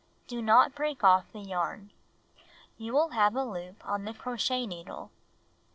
Do not break off the yarn. You will have a loop on the crochet needle.